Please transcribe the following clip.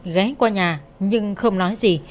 ghé qua nhà nhưng không nói gì